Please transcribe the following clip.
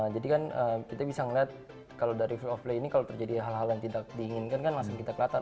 jadi kan kita bisa ngeliat kalau dari field of play ini kalau terjadi hal hal yang tidak diinginkan kan langsung kita kelihatan